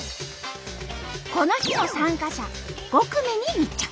この日の参加者５組に密着。